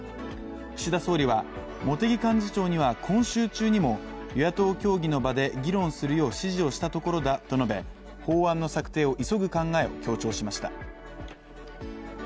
岸田総理は茂木幹事長には今週中にも与野党協議の場で議論するよう指示をしたところだと述べ法案の策定を急ぐ考えを強調しました。